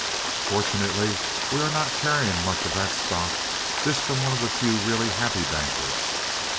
"Fortunately, we are not carrying much of that stock." (This from one of the few really happy bankers.)